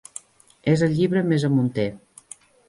És el llibre més amunter.